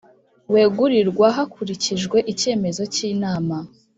wegurirwa hakurikijwe icyemezo cy Inama